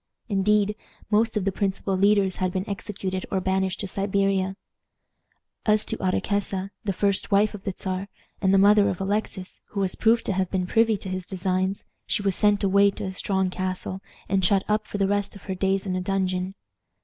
Indeed, most of the principal leaders had been executed or banished to Siberia. As to Ottokesa, the first wife of the Czar, and the mother of Alexis, who was proved to have been privy to his designs, she was sent away to a strong castle, and shut up for the rest of her days in a dungeon.